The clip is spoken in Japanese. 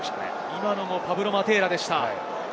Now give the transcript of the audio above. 今のも、パブロ・マテーラでした。